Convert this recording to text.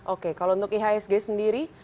oke kalau untuk ihsg sendiri